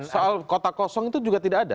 soal kota kosong itu juga tidak ada